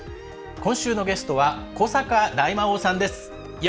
今週のゲストは古坂大魔王さんです。